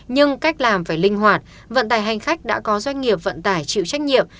nhưng cách làm phải linh hoạt vận tài hành khách đã có doanh nghiệp vận tải chịu trách nhiệm